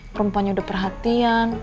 perempuannya udah perhatian